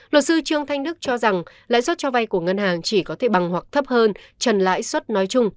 luật sư trương thanh đức cho rằng lãi suất cho vay của ngân hàng chỉ có thể bằng hoặc thấp hơn trần lãi suất nói chung